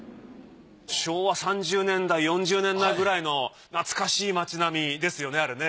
昭和３０年代４０年代くらいの懐かしい街並みですよねあれね。